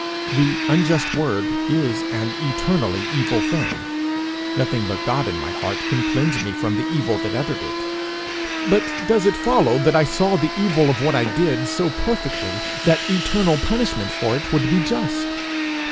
The unjust word is an eternally evil thing; nothing but God in my heart can cleanse me from the evil that uttered it; but does it follow that I saw the evil of what I did so perfectly, that eternal punishment for it would be just?